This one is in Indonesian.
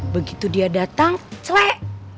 begitu dia datang cewek